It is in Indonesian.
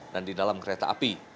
dan di dalam kereta api